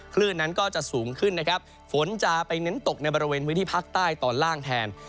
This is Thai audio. คลื่นนั้นก็จะสูงขึ้นนะครับฝนจะไปเน้นตกในบริเวณพื้นที่ภาคใต้ตอนล่างแทน